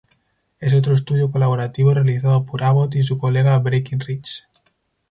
Es otro estudio colaborativo realizado por Abbott y su colega Breckinridge.